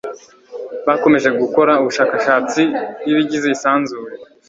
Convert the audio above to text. bakomeje gukora ubushakashatsi bw'ibigize isanzure